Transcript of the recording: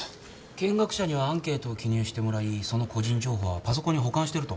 見学者にはアンケートを記入してもらいその個人情報はパソコンに保管していると？